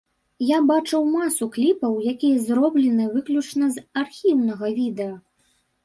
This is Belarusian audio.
Я бачыў масу кліпаў, якія зроблены выключна з архіўнага відэа.